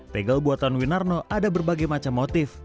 tegel buatan winarno ada berbagai macam motif